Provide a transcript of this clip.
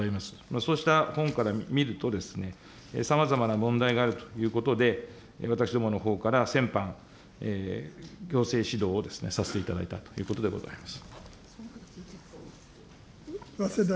そうした本から見るとですね、さまざまな問題があるということで、私どものほうから先般、行政指導をさせていただいたということでございます。